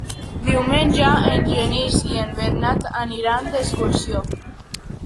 Diumenge en Genís i en Bernat aniran d'excursió.